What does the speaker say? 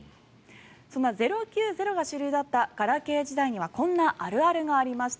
そんな０９０が主流だったガラケー時代にはこんなあるあるがありました。